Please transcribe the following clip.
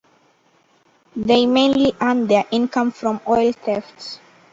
They mainly earn their income from oil theft.